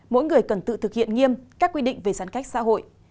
mỗi người cần tự thực hiện nghiêm các quy định về giãn cách xã hội